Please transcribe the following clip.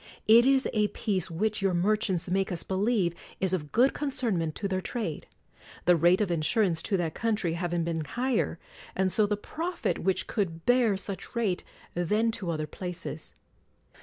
It is a peace which, your merchants make us believe, is of good concernment to their trade ; the rate of in surance to that country having been higher, and so the profit which could bear such rate, than to other places.